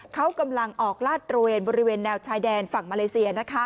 เขากำลังออกลาดตระเวนบริเวณแนวชายแดนฝั่งมาเลเซีย